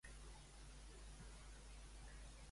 Què es va fer a la casa de Déu?